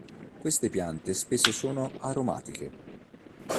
Queste piante spesso sono aromatiche.